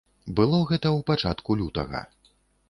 Было гэта ў пачатку лютага.